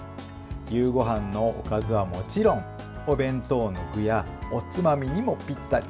夕ごはんのおかずはもちろんお弁当の具やおつまみにもぴったり。